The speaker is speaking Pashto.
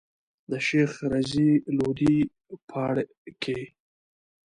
د شيخ رضی لودي پاړکی.